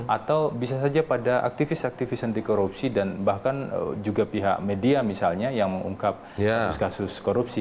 atau bisa saja pada aktivis aktivis anti korupsi dan bahkan juga pihak media misalnya yang mengungkap kasus kasus korupsi